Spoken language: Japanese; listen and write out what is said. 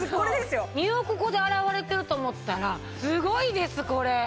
２億個で洗われてると思ったらすごいですこれ！